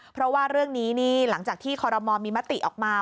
เพราะว่าเรื่องนี้นี่หลังจากที่คอรมอลมีมติออกมา